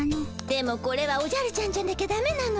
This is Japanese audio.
でもこれはおじゃるちゃんじゃなきゃだめなのよ。